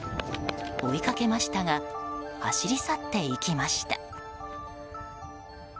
追いかけましたが走り去っていきました。